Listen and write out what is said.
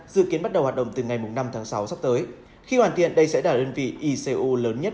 dự kiến bắt đầu hoạt động từ ngày năm tháng sáu sắp tới khi hoàn thiện đây sẽ là đơn vị icu lớn nhất